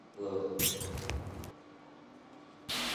Subscriptions and Penetration level.